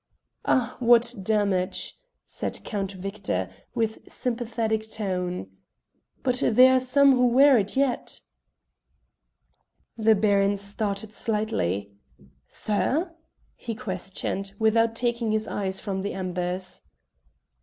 "Ah, what damage!" said Count Victor with sympathetic tone. "But there are some who wear it yet?" The Baron started slightly. "Sir?" he questioned, without taking his eyes from the embers.